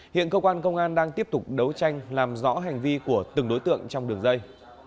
hiện cơ quan công an đang tiếp tục đấu tranh làm rõ hành vi của từng đối tượng trong đường dây